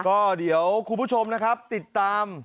ก็เดี๋ยวคุณผู้ชมนะครับติดตาม